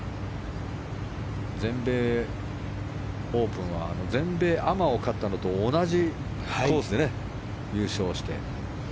全米オープンは全米アマを勝ったのと同じコースで優勝して。